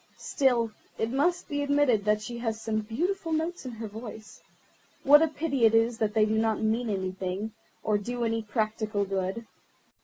Still, it must be admitted that she has some beautiful notes in her voice. What a pity it is that they do not mean anything, or do any practical good."